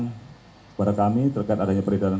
kepada kami terkait adanya peredaran